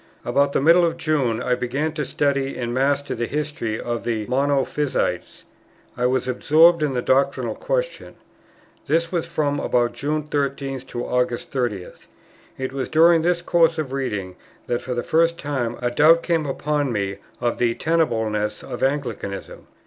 About the middle of June I began to study and master the history of the Monophysites. I was absorbed in the doctrinal question. This was from about June 13th to August 30th. It was during this course of reading that for the first time a doubt came upon me of the tenableness of Anglicanism.